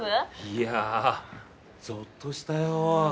いやぞっとしたよ。